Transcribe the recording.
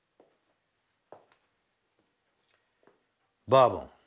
バーボン。